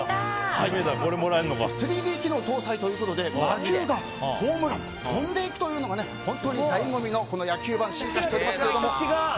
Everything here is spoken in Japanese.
３Ｄ機能搭載ということで打球、ホームランが飛んでいくというのが本当にだいご味の野球盤！進化しています。